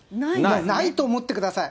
ないと思ってください。